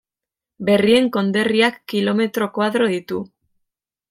Berrien konderriak kilometro koadro ditu.